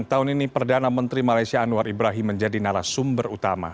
tahun ini perdana menteri malaysia anwar ibrahim menjadi narasumber utama